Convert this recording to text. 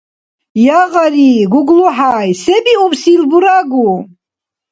Ягъари, ГуглахӀяй, се биубсил бурагу?